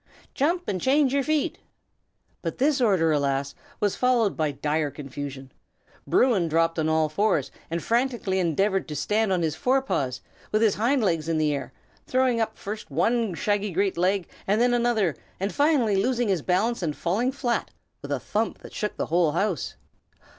"Jump, and change your feet!" But this order, alas! was followed by dire confusion. Bruin dropped on all fours, and frantically endeavored to stand on his fore paws, with his hind legs in the air, throwing up first one great shaggy leg and then another, and finally losing his balance and falling flat, with a thump that shook the whole house.